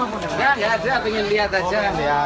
gak gak ada pengen lihat aja